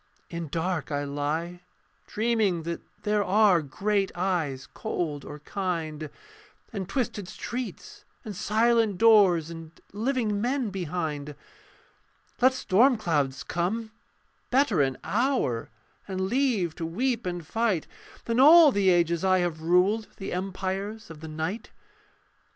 In dark I lie: dreaming that there Are great eyes cold or kind, And twisted streets and silent doors, And living men behind. Let storm clouds come: better an hour, And leave to weep and fight, Than all the ages I have ruled The empires of the night.